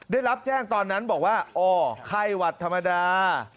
ได้รับแจ้งตอนนั้นบอกว่าอ๋อไข้หวัดธรรมดา